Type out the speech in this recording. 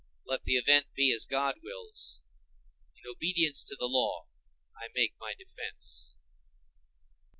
Let the event be as God wills: in obedience to the law I make my defence.